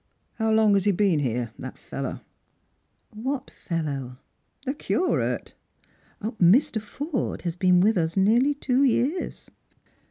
" How long has he been here, that fellow ?" "AYhat fellow?" "The Curate." " Mr. Forde has been with us nearly two years."